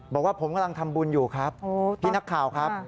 บอกว่าผมกำลังทำบุญอยู่ครับพี่นักข่าวครับ